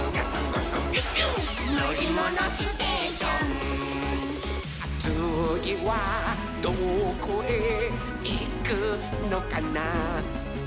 「のりものステーション」「つぎはどこへいくのかなほら」